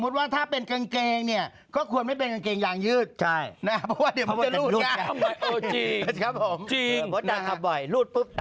ได้ไปก็ดึงถุงยางออกมาใช้ต่อ